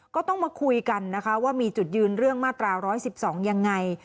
ก็ต้องมาคุยกันนะคะว่ามีจุดยืนเรื่องมาตรา๑๑๒ยังไง